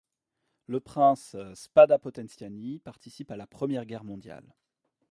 Le prince Spada Potenziani participe à la Première Guerre mondiale.